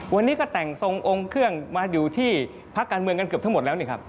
วันนี้ก็แต่งทรงองค์เครื่องมาอยู่ที่พักการเมืองกันเกือบทั้งหมดแล้วนี่ครับ